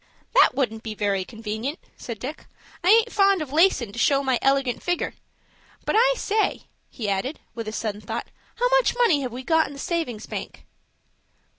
"That wouldn't be very convenient," said Dick. "I aint fond of lacin' to show my elegant figger. But I say," he added with a sudden thought, "how much money have we got in the savings' bank?"